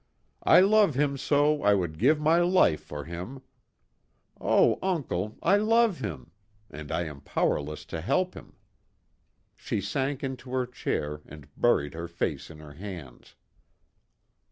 I love him so I would give my life for him. Oh, uncle, I love him, and I am powerless to help him." She sank into her chair, and buried her face in her hands.